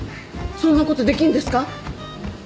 そんなことできるんですか？